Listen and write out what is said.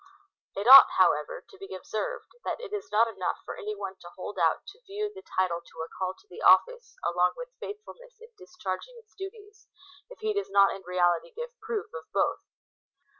It ought, however, to be observed, that it is not enough for any one to hold out to view the title to a call to the office, along with faithfulness in discharging its duties, if he does not in reality give proof of both.